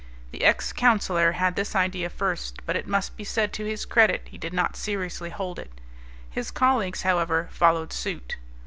The ex counsellor had this idea first, but it must be said to his credit, he did not seriously hold it. His colleagues, however, followed suit.